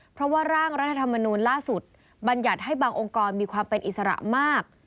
เพราะว่าร่างรัฐธรรมนูลล่าสุดบรรยัติให้บางองค์กรมีความเป็นอิสระมาก